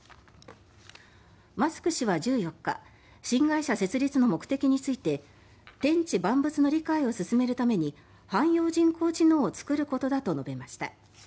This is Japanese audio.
マスク氏は１４日新会社設立の目的について天地万物の理解を進めるために汎用人工知能を作ることだと述べました。